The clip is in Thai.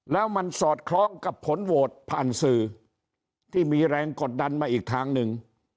แล้วมันสอดคล้องกับผลโหวตผ่านสื่อที่มีแรงกดดันมาอีกทางหนึ่ง